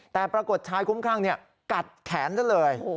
แต่ปรากฏชายคุ้มข้างกัดแขนซะเลย